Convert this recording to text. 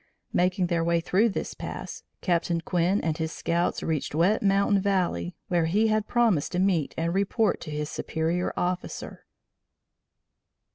Making their way through this pass, Captain Quinn and his scouts reached Wet Mountain Valley, where he had promised to meet and report to his superior officer.